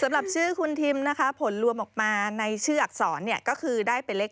สำหรับชื่อคุณทิมนะคะผลรวมออกมาในชื่ออักษรเนี่ยก็คือได้เป็นเลข๗